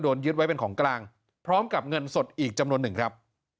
ยึดไว้เป็นของกลางพร้อมกับเงินสดอีกจำนวนหนึ่งครับ